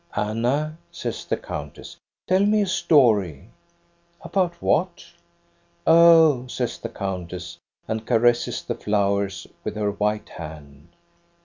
"Anna," says the countess, "tell me a story!" "About what.?'' "Oh," says the countess, and caresses the flowers with her white hand.